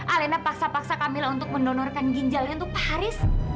alena paksa paksa kamila untuk mendonorkan ginjalnya untuk pak haris